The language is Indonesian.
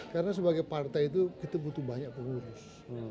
karena sebagai partai itu kita butuh banyak pengurus